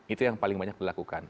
itu yang paling banyak dilakukan